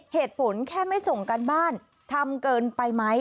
เหตุผลแค่ไม่ส่งการบ้านทำเกินไปไหม